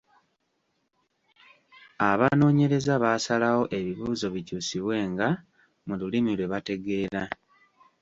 Abanoonyereza baasalawo ebibuuzo bikyusibwenga mu lulimi lwe bategeera.